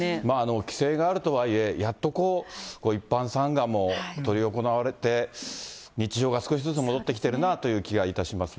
規制があるとはいえ、やっとこう、一般参賀も執り行われて、日常が少しずつ戻ってきてるなという気がいたしますね。